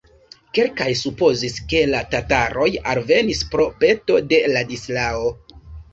Kelkaj supozis, ke la tataroj alvenis pro peto de Ladislao.